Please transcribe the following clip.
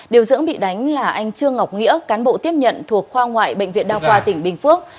điều dưỡng bị đánh là anh trương ngọc nghĩa cán bộ tiếp nhận thuộc khoa ngoại bệnh viện đa khoa tỉnh bình phước